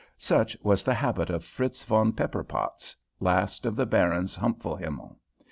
Such was the habit of Fritz von Pepperpotz, last of the Barons Humpfelhimmel.